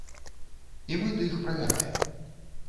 І мы тых правяраем.